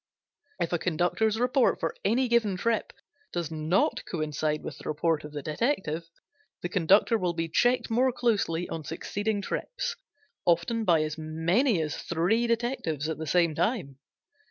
If a conductor's report for any given trip does not coincide with the report of the detective the conductor will be checked more closely on succeeding trips, often by as many as three detectives at the same time.